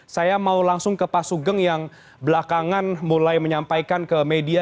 saya mau langsung ke pak sugeng yang belakangan mulai menyampaikan ke media